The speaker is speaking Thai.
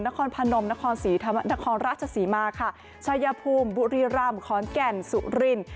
นครพนมนครศรีธรรมนครราชศรีมาค่ะชายภูมิบุรีรำขอนแก่นสุริน